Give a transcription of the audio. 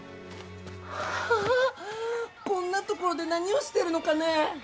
ああっこんな所で何をしてるのかね？